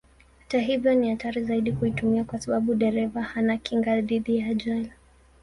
Hata hivyo ni hatari zaidi kuitumia kwa sababu dereva hana kinga dhidi ya ajali.